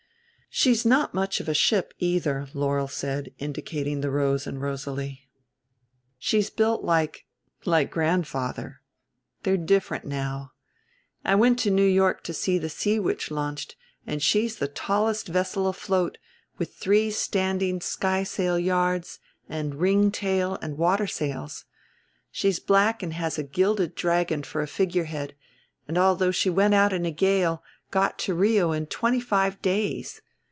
"She's not much of a ship either," Laurel said, indicating the Rose and Rosalie. "She's built like like grandfather. They're different now. I went to New York to see the Sea Witch launched, and she's the tallest vessel afloat, with three standing skysail yards and, ringtail and water sails. She's black and has a gilded dragon for a figurehead; and, although she went out in a gale, got to Rio in twenty five days.